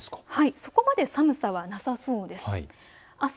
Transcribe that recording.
そこまで寒さはなさそうです。